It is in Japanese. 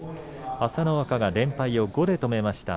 朝乃若、連敗を５で止めました。